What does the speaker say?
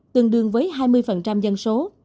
tương đương với hai mươi dân số